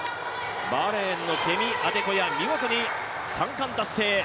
バーレーンのケミ・アデコヤ見事に３冠達成。